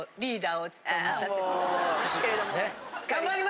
リーダー。